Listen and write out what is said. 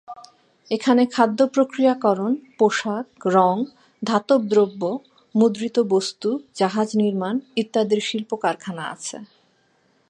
এখানে খাদ্য প্রক্রিয়াকরণ, পোশাক, রঙ, ধাতব দ্রব্য, মুদ্রিত বস্তু, জাহাজ নির্মাণ, ইত্যাদির শিল্প কারখানা আছে।